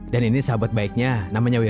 dan ini sahabat baiknya namanya weryo